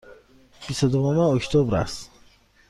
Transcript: بیست و دوم اکتبر است.